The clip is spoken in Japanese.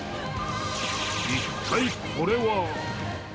一体これは？